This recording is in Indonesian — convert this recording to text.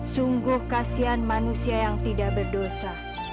sungguh kasihan manusia yang tidak berdosa